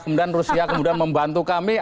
kemudian rusia membantu kami